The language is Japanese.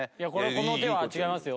この手は違いますよ。